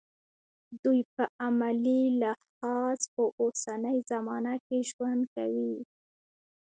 دوی په عملي لحاظ په اوسنۍ زمانه کې ژوند کوي.